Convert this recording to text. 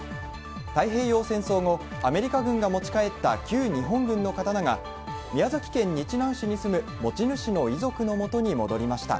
太平洋戦争後アメリカ軍持ち帰った旧日本軍の刀が宮崎県日南市に住む持ち主の遺族の元に戻りました。